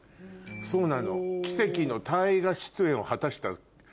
そうなの奇跡の大河出演を果たしたの。